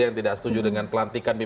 yang tidak setuju dengan pelantikan